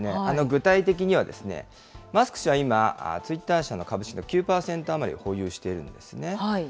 具体的にはマスク氏は今、ツイッター社の株式の９％余りを保有しているんですね。